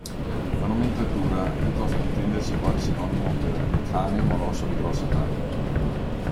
La nomenclatura è piuttosto da intendersi quale sinonimo per "cane molosso di grossa taglia".